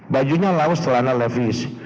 bajunya laus telana levis